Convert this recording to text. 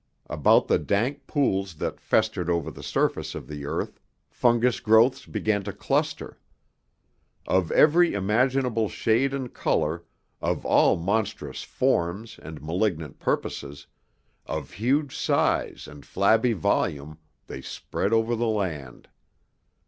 About the dank pools that festered over the surface of the earth, fungus growths began to cluster. Of every imaginable shade and color, of all monstrous forms and malignant purposes, of huge size and flabby volume, they spread over the land.